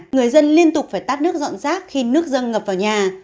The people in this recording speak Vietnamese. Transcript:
người dân liên tục phải tắt nước dọn rác khi nước dâng ngập vào nhà